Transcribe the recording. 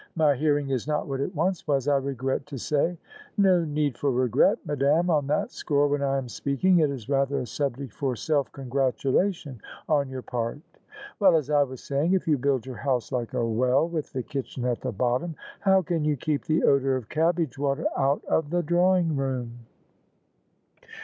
My hearing is not what it once was, I regret to say." " No need for regret, madam, on that score, when I am speaking: it is rather a subject for self congratulation on your part." " Well, as I was saying, if you build your house like a well with the kitchen at the bottom, how can you keep the odour of cabbage water out of the drawing room?"